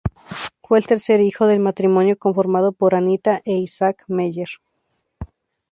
Fue el tercer hijo del matrimonio conformado por Anita e Isaac Meyer.